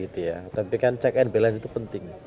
tapi kan check and balance itu penting